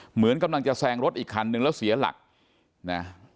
เหมือนกำลังจะแซงรถอีกคันนึงแล้วเสียหลักนะ